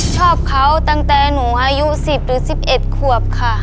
ชอบเขาตั้งแต่หนูอายุสิบหรือสิบเอ็ดขวบค่ะ